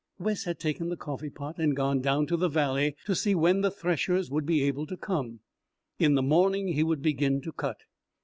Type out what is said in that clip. Wes had taken the coffeepot and gone down to the valley to see when the threshers would be able to come. In the morning he would begin to cut.